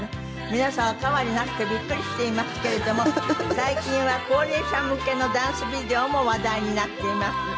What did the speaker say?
皆さんお変わりなくてビックリしていますけれども最近は高齢者向けのダンスビデオも話題になっています。